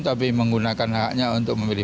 tapi menggunakan haknya untuk memilih